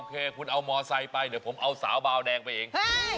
เคคุณเอามอไซค์ไปเดี๋ยวผมเอาสาวบาวแดงไปเอง